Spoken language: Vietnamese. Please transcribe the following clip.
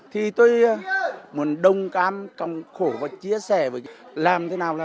thì tôi muốn đồng cảm công khổ và chia sẻ với các bạn